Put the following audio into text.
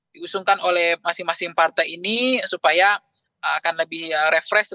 diusungkan oleh masing masing partai ini supaya akan lebih refresh